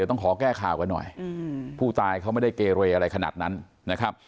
ต้องขอแก้ข่าวกันหน่อยผู้ตายเขาไม่ได้เกเรอะไรขนาดนั้นนะครับ